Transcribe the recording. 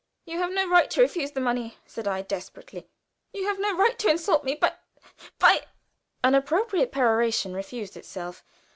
"You have no right to refuse the money," said I, desperately. "You have no right to insult me by by " An appropriate peroration refused itself.